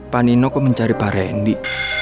pak nino kok mencari pak randy